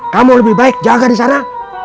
kamu lebih baik jaga di sana